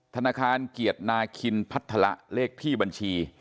ธนาคารเกียรตินาคินพัฒระเลขที่บัญชี